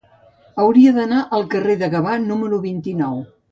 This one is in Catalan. Hauria d'anar al carrer de Gavà número vint-i-nou.